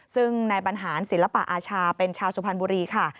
ซึ่งนายบรรหารศิลปะอาชาเป็นชาวสุพรรณบุรีค่ะ